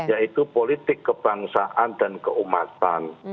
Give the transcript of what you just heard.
yaitu politik kebangsaan dan keumatan